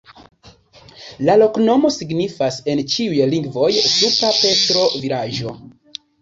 La loknomo signifas en ĉiuj lingvoj: supra-Petro-vilaĝo.